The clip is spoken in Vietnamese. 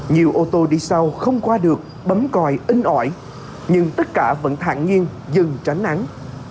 nhiều ô tô đi sau không qua được bấm còi in ỏi nhưng tất cả vẫn thạc nhiên dừng tránh nắng